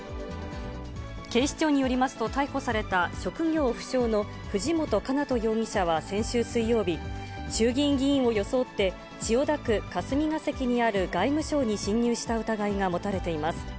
警視庁によりますと、逮捕された職業不詳の藤本叶人容疑者は先週水曜日、衆議院議員を装って、千代田区霞が関にある外務省に侵入した疑いが持たれています。